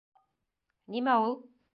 — Нимә ул?